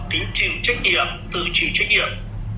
tính chịu trách nhiệm tự chịu trách nhiệm